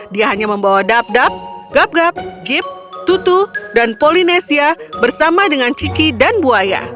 dia hanya membawa dap dap gap gap jeep tutu dan polinesia bersama dengan cici dan buaya